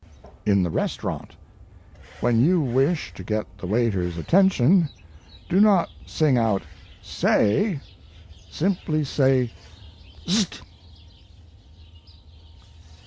IN THE RESTAURANT When you wish to get the waiter's attention, do not sing out "Say!" Simply say "Szt!"